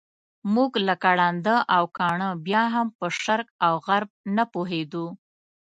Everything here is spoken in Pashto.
موږ لکه ړانده او کاڼه بیا هم په شرق او غرب نه پوهېدو.